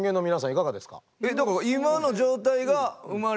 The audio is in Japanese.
いかがですか？